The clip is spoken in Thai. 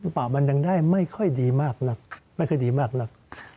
เปล่ามันยังได้ไม่ค่อยดีมากนักไม่ค่อยดีมากนัก